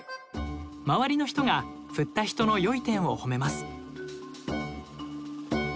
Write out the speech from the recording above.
周りの人が振った人の良い点をほめます。